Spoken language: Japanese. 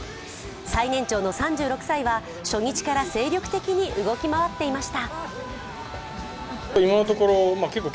最年長の３６歳は初日から精力的に動き回っていました。